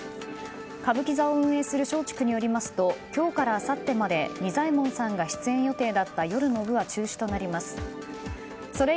歌舞伎座を運営する松竹によりますと今日からあさってまで仁左衛門さんが出演予定だった夜の部は中止となります。